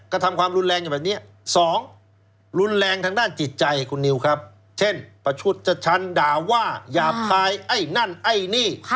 ทำความรุนแรงอยู่แบบนี้สองรุนแรงทางด้านจิตใจคุณนิวครับเช่นประชุดชะชันด่าว่าหยาบคายไอ้นั่นไอ้นี่